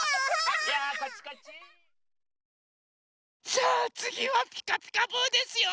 さあつぎは「ピカピカブ！」ですよ。